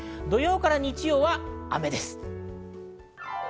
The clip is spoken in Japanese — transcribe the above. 土曜から日曜は雨です。